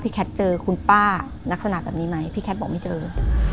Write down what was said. พี่แคทเจอคุณป้านักศนาแบบนี้ไหมพี่แคทบอกไม่เจออืม